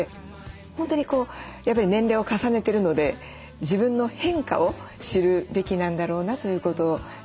本当にやっぱり年齢を重ねてるので自分の変化を知るべきなんだろうなということを実感致しました。